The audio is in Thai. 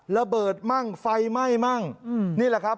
ระเบิดมั่งไฟไหม้มั่งนี่แหละครับ